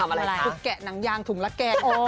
คือแกะหนังยางถุงละแกง